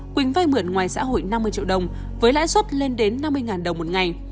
quỳnh vay mượn ngoài xã hội năm mươi triệu đồng với lãi suất lên đến năm mươi đồng một ngày